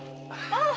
ああ！